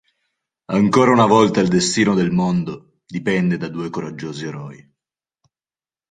Ancora una volta il destino del mondo dipende da due coraggiosi eroi...